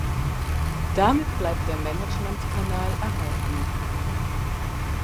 Damit bleibt der Management-Kanal erhalten.